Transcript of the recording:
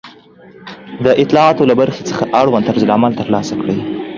د اطلاعاتو له برخې څخه اړوند طرزالعمل ترلاسه کړئ